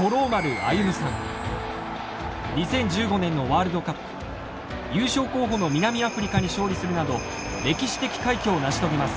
２０１５年のワールドカップ優勝候補の南アフリカに勝利するなど歴史的快挙を成し遂げます。